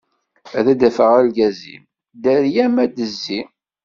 Ad d-afeɣ argaz-im, dderya-m ad d-tezzi...